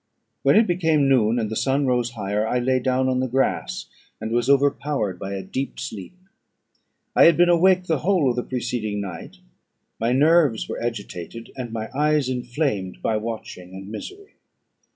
When it became noon, and the sun rose higher, I lay down on the grass, and was overpowered by a deep sleep. I had been awake the whole of the preceding night, my nerves were agitated, and my eyes inflamed by watching and misery.